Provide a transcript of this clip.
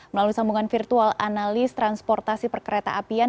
melalui sambungan virtual analis transportasi perkereta apian